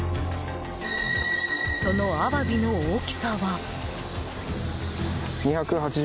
そのアワビの大きさは。